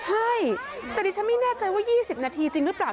ใช่แต่ดิฉันไม่แน่ใจว่า๒๐นาทีจริงหรือเปล่า